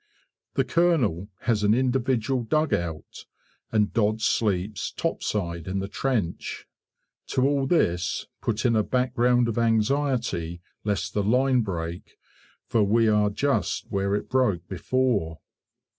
The Colonel has an individual dugout, and Dodds sleeps "topside" in the trench. To all this, put in a background of anxiety lest the line break, for we are just where it broke before.